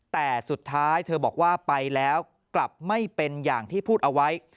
แต่สุดท้ายเธอบอกว่าไปแล้วกลับไม่เป็นอย่างที่พูดเอาไว้